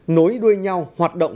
nối đuôi nhau hoạt động